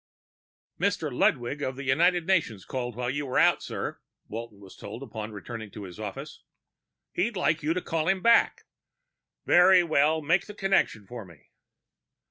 "Mr. Ludwig of the United Nations called while you were out, sir," Walton was told upon returning to his office. "He'd like you to call him back." "Very well. Make the connection for me."